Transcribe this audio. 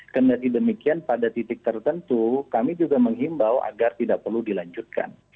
karena di demikian pada titik tertentu kami juga menghimbau agar tidak perlu dilanjutkan